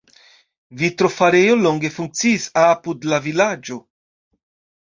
Vitrofarejo longe funkciis apud la vilaĝo.